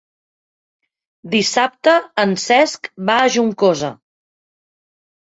Dissabte en Cesc va a Juncosa.